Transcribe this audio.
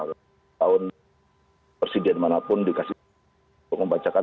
tahun presiden manapun dikasih untuk membacakan